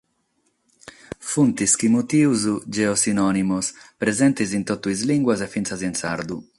Sunt sos chi mutimus ‘geosinònimos’, presentes in totu sas limbas, e finas in sardu.